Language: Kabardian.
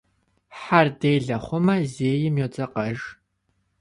Хьэр делэ хъумэ зейм йодзэкъэж.